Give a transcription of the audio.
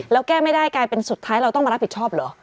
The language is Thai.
แล้วแก้ไม่ได้กลายเป็นสุดท้ายเราต้องมารับผิดชอบเหรอ